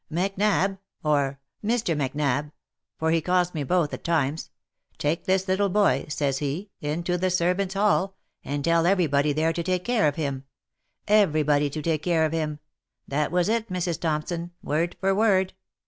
' Macnab,' or * Mr. Macnab,' for he calls me both at times, 'take this little boy,' says he, ' into the servants' hall, and tell every body there to take care of him — every body to take care of him' — that was it, Mrs. Thompson, word for word.